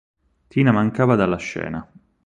Tina mancava dalla scena.